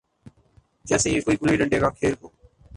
جیسے یہ کوئی گلی ڈنڈے کا کھیل ہو۔